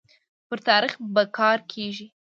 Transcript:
پر تاريخ به کار کيږي